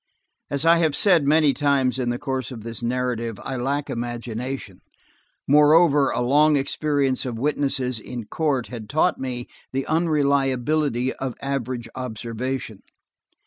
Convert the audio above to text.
As I have said many times in the course of this narrative, I lack imagination: moreover, a long experience of witnesses in court had taught me the unreliability of average observation.